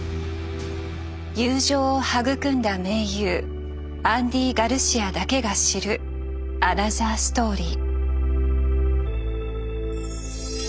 友情を育んだ名優アンディ・ガルシアだけが知るアナザーストーリー。